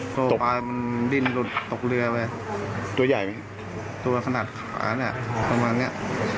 พอตกปลามันดิ้นหลุดตกเรือไปตัวใหญ่ตัวขนาดขวาเนี่ยประมาณเนี้ย